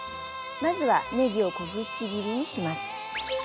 まずはねぎを小口切りにします。